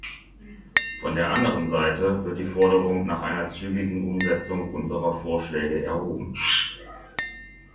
Von der anderen Seite wird die Forderung nach einer zügigen Umsetzung unserer Vorschläge erhoben.